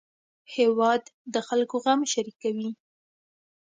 هېواد د خلکو غم شریکوي